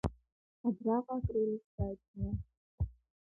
Абраҟа акреилыскааит сара.